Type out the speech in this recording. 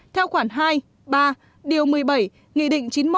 theo quản hai ba điều một mươi bảy nghị định chín mươi một năm hai nghìn một mươi chín